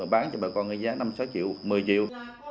bán cho bà con với giá năm sáu triệu một mươi triệu